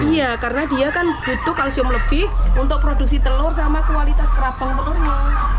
iya karena dia kan butuh kalsium lebih untuk produksi telur sama kualitas kerabang telurnya